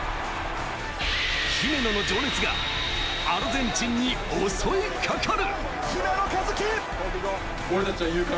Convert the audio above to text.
姫野の情熱がアルゼンチンに襲いかかる。